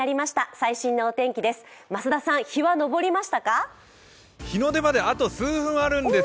最新のお天気です。